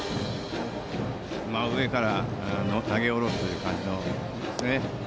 上から投げ下ろす感じですね。